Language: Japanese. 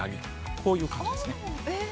こういう感じですね。